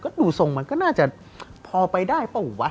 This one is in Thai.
ก็ดูทรงมันก็น่าจะพอไปได้เปล่าวะ